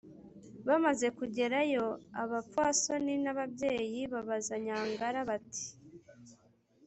bamaze kugerayo, abapfasoni n'ababyeyi babaza nyangara, bati: